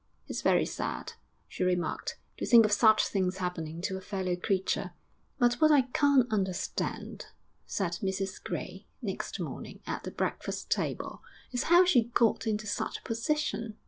'It's very sad,' she remarked, 'to think of such things happening to a fellow creature.'... 'But what I can't understand,' said Mrs Gray, next morning, at the breakfast table, 'is how she got into such a position.